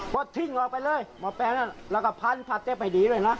ปลดทิ้งออกไปเลยหมอแปลงนั่นแล้วก็พันธุ์พาเจ๊ไปดีด้วยนะ